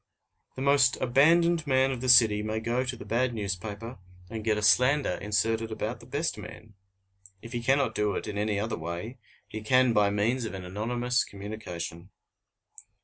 The most abandoned man of the city may go to the bad newspaper and get a slander inserted about the best man. If he cannot do it in any other way, he can by means of an anonymous communication.